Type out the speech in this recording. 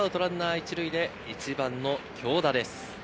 １塁で１番の京田です。